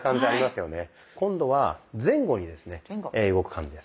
今度は前後にですね動く感じです。